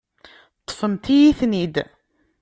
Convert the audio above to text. Ṭṭfemt-iyi-ten-id.